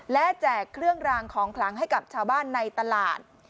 และแจกเครื่องรางของคลังให้กับชาวบ้านในตลาด